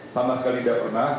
sama sekali tidak pernah